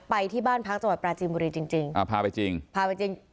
ไปที่บ้านพักจังหวัดปราจีนบุรีจริงจริงอ่าพาไปจริงพาไปจริง